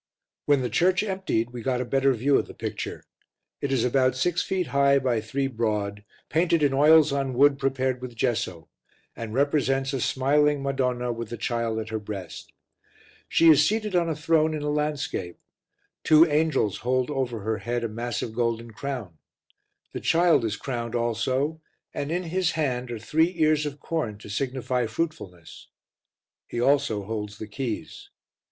When the church emptied we got a better view of the picture. It is about 6 ft. high by 3 broad, painted in oils on wood prepared with gesso, and represents a smiling Madonna with the Child at her breast. She is seated on a throne in a landscape; two angels hold over her head a massive golden crown; the Child is crowned also and in His hand are three ears of corn, to signify fruitfulness; He also holds the keys.